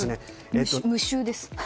無臭です。